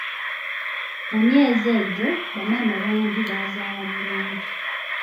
Mu myezi egyo, bamaama bangi baazaala bulungi.